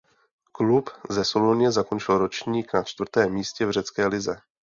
Klub ze Soluně zakončil ročník na čtvrtém místě v řecké lize.